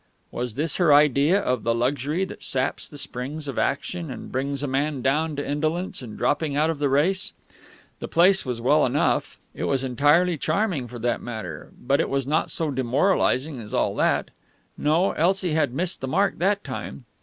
Was this her idea of the luxury that saps the springs of action and brings a man down to indolence and dropping out of the race? The place was well enough it was entirely charming, for that matter but it was not so demoralising as all that! No; Elsie had missed the mark that time....